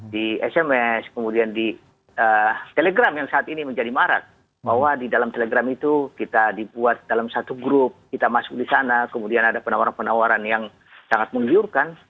di sms kemudian di telegram yang saat ini menjadi marak bahwa di dalam telegram itu kita dibuat dalam satu grup kita masuk di sana kemudian ada penawaran penawaran yang sangat menggiurkan